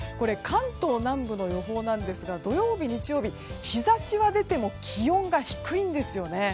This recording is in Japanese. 関東南部の予報ですが土曜日、日曜日と日差しは出ても気温が低いんですよね。